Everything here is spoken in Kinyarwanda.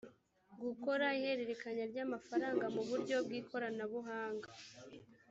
gukora ihererekanya ry’amafaranga mu buryo bw’ikoranabuhanga